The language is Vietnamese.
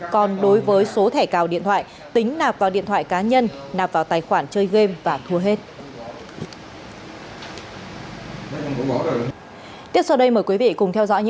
còn đối với số thẻ cào điện thoại tính nạp vào điện thoại cá nhân